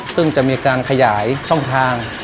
ซึ่งจะมีการขยายช่องทาง